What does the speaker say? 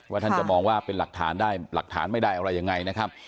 ว่าท่านจะมองว่าหรือไม่ได้รักฐานอะไรยังไง